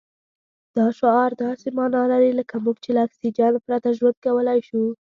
دا شعار داسې مانا لري لکه موږ چې له اکسجن پرته ژوند کولای شو.